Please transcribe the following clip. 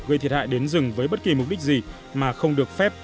gây thiệt hại đến rừng với bất kỳ mục đích gì mà không được phép